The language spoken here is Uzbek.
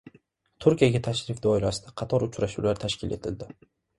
Turkiyaga tashrif doirasida qator uchrashuvlar tashkil etildi